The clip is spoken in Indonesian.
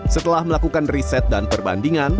setelah melakukan riset dan perbandingan